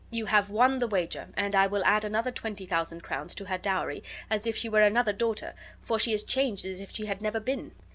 You have won the wager, and I will add another twenty thousand crowns to her dowry, as if she were another daughter, for she is changed as if she had never been."